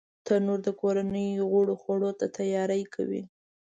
تنور د کورنۍ غړو خوړو ته تیاری کوي